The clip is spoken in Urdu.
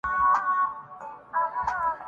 مری جبیں پہ مرے آنسوؤں سے کل لکھ دے